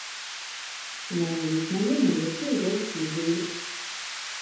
У мяне есць знаёмыя, якія ўжо адслужылі.